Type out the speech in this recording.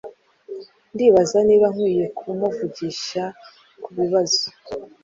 Ndibaza niba nkwiye kumuvugisha kubibazo.